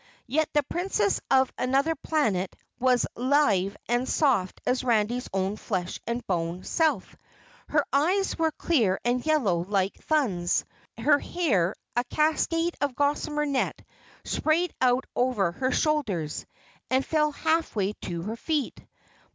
Yet the Princess of Anuther Planet was live and soft as Randy's own flesh and bone self. Her eyes were clear and yellow like Thun's; her hair, a cascade of gossamer net, sprayed out over her shoulders and fell half way to her feet.